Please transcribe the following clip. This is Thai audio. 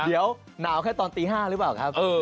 เดี๋ยวหนาวแค่ตอนตี๕หรือเปล่าครับ